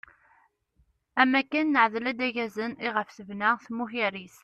Am akken neɛdel-d aggazen iɣef tebna tamukerrist.